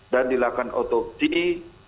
dan dilakukan otopsi